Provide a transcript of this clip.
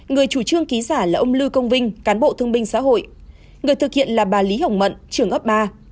người chủ trương ký giả là ông lưu công vinh cán bộ thương binh xã hội người thực hiện là bà lý hồng mận trưởng ấp ba